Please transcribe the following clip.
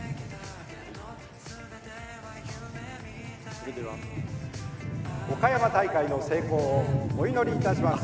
それでは岡山大会の成功をお祈りいたします。